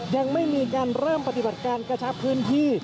ยังไม่มีการเริ่มปฏิบัติการกระชับพื้นที่